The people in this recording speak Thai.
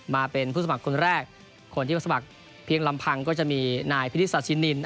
มาเป็นผู้สมัครคนแรกคนที่มาสมัครเพียงลำพังก็จะมีนายพินิศาสินินิน